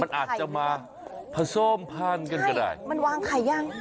มันอาจจะมาผสมพ้านกันก็ได้ใช่มันวางไข่ย่าง